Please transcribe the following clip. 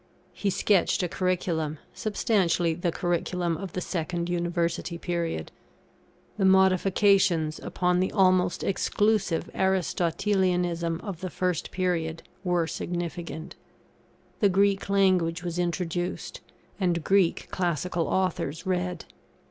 He sketched a curriculum, substantially the curriculum of the second University period. The modifications upon the almost exclusive Aristotelianism of the first period, were significant. The Greek language was introduced, and Greek classical authors read.